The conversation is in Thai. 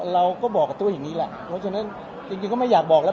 เราก็บอกกับตัวเองอย่างนี้แหละเพราะฉะนั้นจริงก็ไม่อยากบอกแล้ว